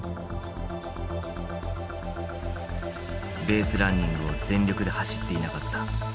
「ベースランニングを全力で走っていなかった。